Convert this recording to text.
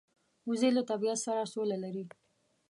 وزې د طبیعت سره سوله لري